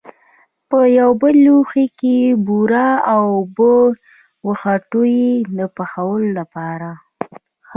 په یو بل لوښي کې بوره او اوبه وخوټوئ د پخولو لپاره.